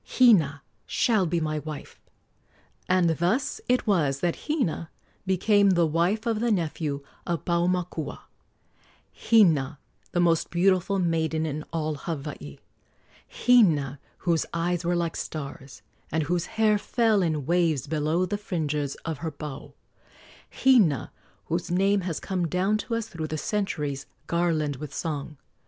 Hina shall be my wife." And thus it was that Hina became the wife of the nephew of Paumakua Hina, the most beautiful maiden in all Hawaii; Hina, whose eyes were like stars, and whose hair fell in waves below the fringes of her pau; Hina, whose name has come down to us through the centuries garlanded with song.